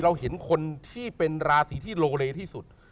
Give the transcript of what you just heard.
เราเห็นคนที่เป็นราศีที่โลเลที่สุด